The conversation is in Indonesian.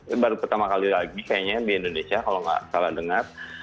ini baru pertama kali lagi kayaknya di indonesia kalau nggak salah dengar